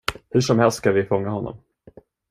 Hursomhelst ska vi fånga honom.